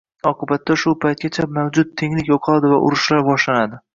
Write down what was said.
Oqibatda shu paytgacha mavjud tenglik yo‘qoladi va urushlar boshlanadi.